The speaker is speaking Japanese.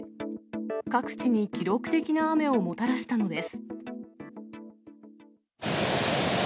各地に記録的な雨をもたらしたのです。